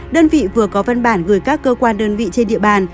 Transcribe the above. đơn vị vừa có văn bản gửi các cơ quan đơn vị trên địa bàn